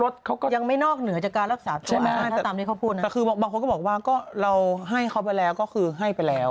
แต่คือบางคนก็บอกว่าก็เราให้เขาไปแล้วก็คือให้ไปแล้ว